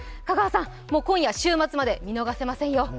香川さん、今夜、週末まで見逃せませんよ。